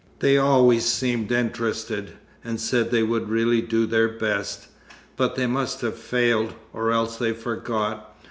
They always seemed interested, and said they would really do their best, but they must have failed, or else they forgot.